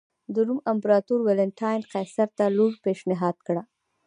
د روم امپراتور والنټیناین قیصر ته لور پېشنهاد کړه.